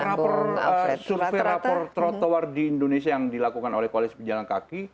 karena survei rapor trotoar di indonesia yang dilakukan oleh koalisi pejalan kaki